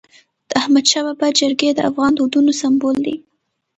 د احمدشاه بابا جرګي د افغان دودونو سمبول وي.